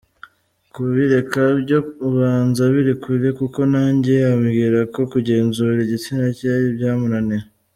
Kubireka byo ubanza biri kure kuko nanjye ambwira ko kugenzura igitsina cye byamunaniye.